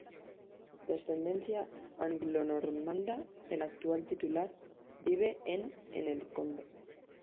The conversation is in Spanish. De ascendencia anglonormanda, el actual titular, vive en en el Co.